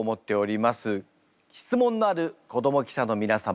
質問のある子ども記者の皆様